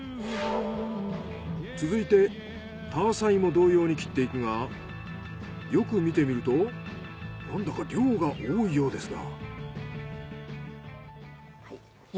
続いてターサイも同様に切っていくがよく見てみるとなんだか量が多いようですが。